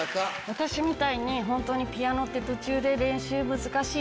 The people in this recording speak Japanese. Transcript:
私みたいに本当にピアノって途中で。